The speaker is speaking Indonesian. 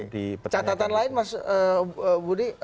di catatan lain mas budi